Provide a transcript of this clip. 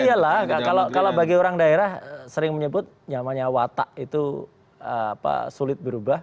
iya lah kalau bagi orang daerah sering menyebut namanya watak itu sulit berubah